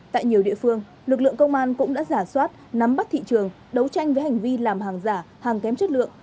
tại nhiều địa phương lực lượng công an cũng đã giả soát nắm bắt thị trường đấu tranh với hành vi làm hàng giả hàng kém chất lượng